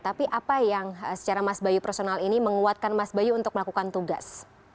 tapi apa yang secara mas bayu personal ini menguatkan mas bayu untuk melakukan tugas